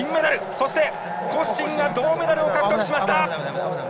そして、コスチンが銅メダルを獲得しました。